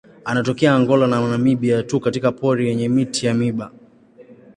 Anatokea Angola na Namibia tu katika pori yenye miti ya miiba.